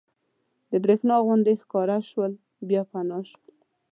د برېښنا غوندې ښکاره شول بیا فنا شول.